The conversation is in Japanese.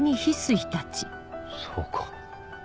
そうか。